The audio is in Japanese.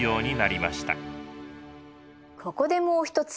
ここでもう一つ。